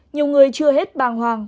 nhiều người chưa hết bàng hoàng